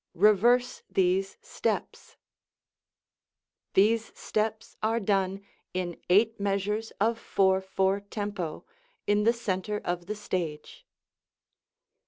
Reverse these steps. These steps are done in eight measures of 4/4 tempo, in the center of the stage.